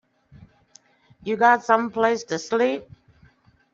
You got someplace to sleep?